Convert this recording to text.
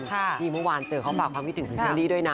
ที่เมื่อวานเจอเขล้าปากความคิดถึงของเช้าดี้นะ